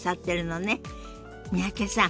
三宅さん